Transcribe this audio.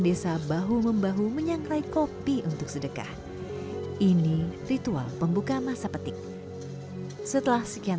desa bahu membahu menyangrai kopi untuk sedekah ini ritual pembuka masa petik setelah sekian